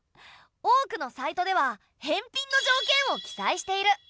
多くのサイトでは返品の条件を記載している。